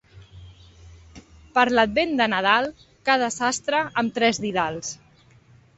Per l'Advent de Nadal, cada sastre amb tres didals.